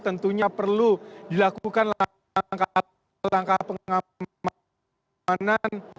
tentunya perlu dilakukan langkah langkah pengamanan